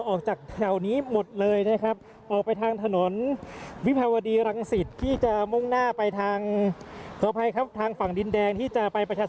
ออกจากแถวนี้หมดเลยนะครับออกไปทางถนนวิพาหวดี